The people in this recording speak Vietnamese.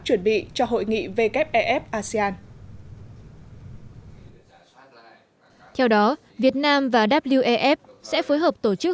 chuẩn bị cho hội nghị wef asean theo đó việt nam và wef sẽ phối hợp tổ chức